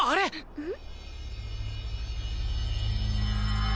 うん？